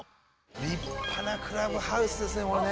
立派なクラブハウスですねこれね。